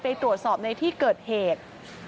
ไปตรวจสอบในที่เกิดเหตุ